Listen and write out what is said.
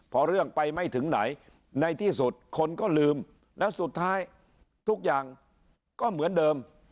พอเรื่องไปไม่ถึงไหนในที่สุดคนก็ลืมแล้วสุดท้ายทุกอย่างก็เหมือนเดิม